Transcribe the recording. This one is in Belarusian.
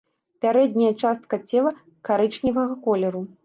Пярэдняя частка цела карычневага колеру.